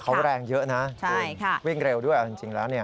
เขาแรงเยอะนะวิ่งเร็วด้วยเอาจริงแล้วเนี่ย